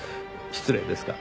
失礼ですが。